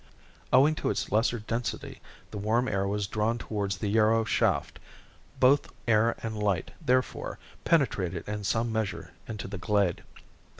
Owing to its lesser density, the warm air was drawn towards the Yarrow shaft. Both air and light, therefore, penetrated in some measure into the glade.